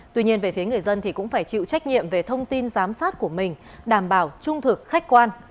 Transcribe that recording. tuy nhiên về phía người dân thì cũng phải chịu trách nhiệm về thông tin giám sát của mình đảm bảo trung thực khách quan